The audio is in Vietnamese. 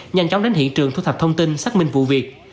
nhanh chóng đến hiện trường thu thập thông tin xác minh vụ việc